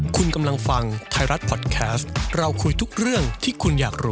คุณกำลังฟังไทยรัฐพอดแคสต์เราคุยทุกเรื่องที่คุณอยากรู้